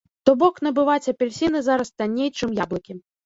То бок набываць апельсіны зараз танней, чым яблыкі.